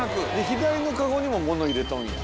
左のかごにも物入れとんや。